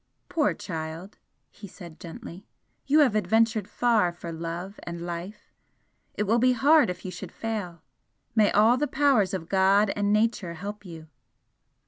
"Poor child!" he said, gently "You have adventured far for love and life! it will be hard if you should fail! May all the powers of God and Nature help you!"